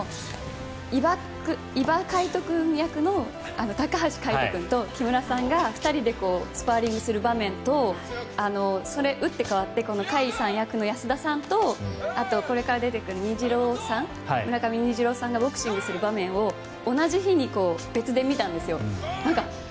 伊庭海斗君役の高橋海人君と木村さんが２人でスパーリングする場面と打って変わって甲斐役の安田さんとこれから出てくる村上虹郎さんがボクシング部する場面を同じ日に別で見たんですよ。